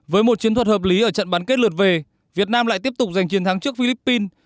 với một chiến thuật hợp lý ở trận bán kết lượt về việt nam lại tiếp tục giành chiến thắng trước philippines